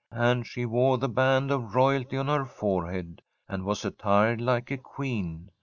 And she wore the band of royalty on her forehead, and was attired like a Queen.